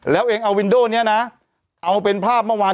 แล้วเองเอาวินโด่นี้นะเอาเป็นภาพเมื่อวาน